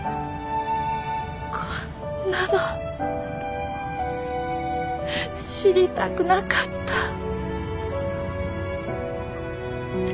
こんなの知りたくなかった。